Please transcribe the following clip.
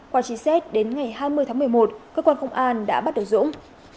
qua trí xét đến ngày hai mươi một mươi một cơ quan công an đã bắt đầu dũng